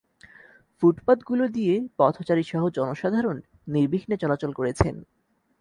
ফুটপাতগুলো দিয়ে পথচারীসহ জনসাধারণ নির্বিঘ্নে চলাচল করেছেন।